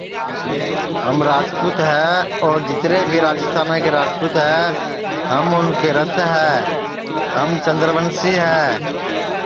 ہم راجپوت ہے اور جیتر بھی راجیستانا کے راجپوت ہے ہم اُن کے رت ہے ہم چندوسی ہے